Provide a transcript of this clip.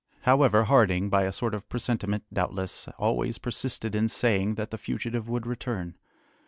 However, Harding, by a sort of presentiment, doubtless, always persisted in saying that the fugitive would return.